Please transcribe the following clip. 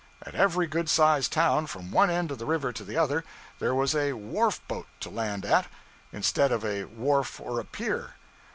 At every good sized town from one end of the river to the other, there was a 'wharf boat' to land at, instead of a wharf or a pier.